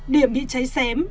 điểm bị cháy xem